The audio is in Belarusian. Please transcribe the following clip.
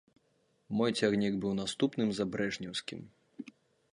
Мой цягнік быў наступным за брэжнеўскім.